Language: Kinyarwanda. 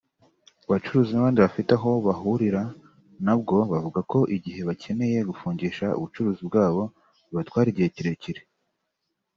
Abacuruzi n’abandi bafite aho bahurira na bwo bavuga ko igihe bakeneye gufungisha ubucuruzi bwabo bibatwara igihe kirekire